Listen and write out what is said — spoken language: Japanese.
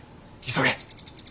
急げ。